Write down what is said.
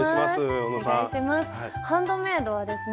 ハンドメイドはですね